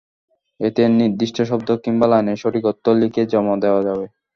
এতে নির্দিষ্ট শব্দ কিংবা লাইনের সঠিক অর্থ লিখে জমা দেওয়া যাবে।